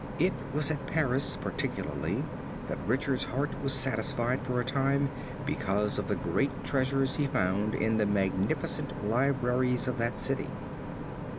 It was at Paris particularly that Richard's heart was satisfied for a time because of the great treasures he found in the magnificent libraries of that city.